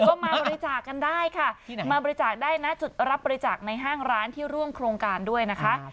ก็มาบริจาคกันได้ค่ะมาบริจาคได้นะจุดรับบริจาคในห้างร้านที่ร่วมโครงการด้วยนะคะ